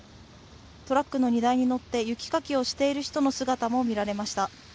トラックの荷台にのって雪かきをしている人の姿も見られました。